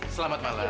selamat malam pak yos